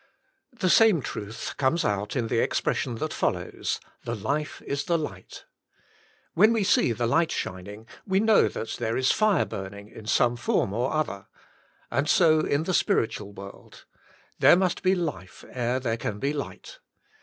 The same truth comes out in the expression that follows: The life is the light. When we see the light shining, we know that there is fire burning in some form or other. And so in the spiritual world. There must be life ere there can be light.